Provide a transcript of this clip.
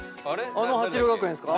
あの鉢涼学園ですか？